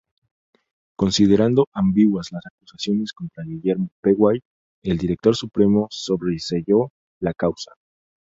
Considerando ""ambiguas las acusaciones contra Guillermo P. White"", el Director Supremo sobreseyó la causa.